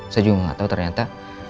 saya juga gak tau ternyata